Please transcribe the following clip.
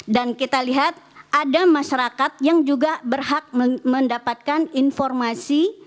dan kita lihat ada masyarakat yang juga berhak mendapatkan informasi